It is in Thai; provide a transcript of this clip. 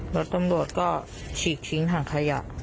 แล้วตำรวจก็ฉีกชิงทางขยะ